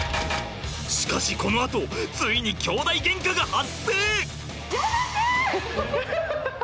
しかしこのあとついに兄弟いざ